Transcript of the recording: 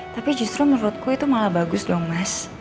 tapi justru menurutku itu malah bagus dong mas